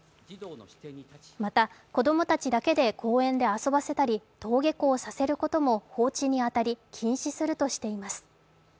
また、子供たちだけで公園で遊ばせたり、登下校させることも放置に当たり、禁止するとしています。